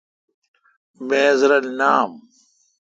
میز رل نام۔